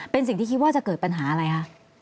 เป็นสิ่งที่คิดว่าจะเกิดปัญหาอะไรคะ